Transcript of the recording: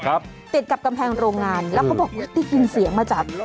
ติดกับกำแพงโรงงานแล้วเขาบอกได้ยินเสียงมาจาก